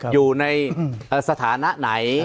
อยู่ในสถานะไหน